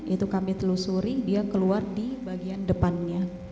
itu kami telusuri dia keluar di bagian depannya